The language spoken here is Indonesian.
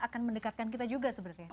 akan mendekatkan kita juga sebenarnya